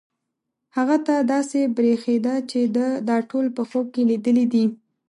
هغه ته داسې برېښېده چې ده دا ټول په خوب کې لیدلي دي.